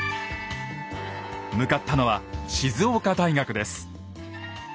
向かったのは静岡大学です。